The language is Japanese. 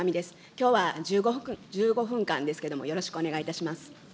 きょうは１５分間ですけれども、よろしくお願いいたします。